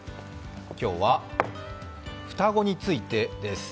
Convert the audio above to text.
今日は双子についてです。